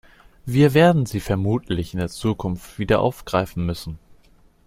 Wir werden sie vermutlich in der Zukunft wieder aufgreifen müssen.